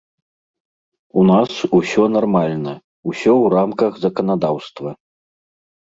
У нас усё нармальна, усё ў рамках заканадаўства.